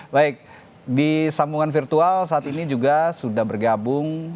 baik di sambungan virtual saat ini juga sudah bergabung